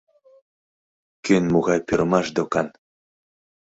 Кӧн могай пӱрымаш докан.